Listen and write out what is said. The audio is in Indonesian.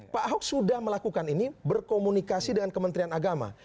pak ahok sudah melakukan ini berkomunikasi dengan kementerian agama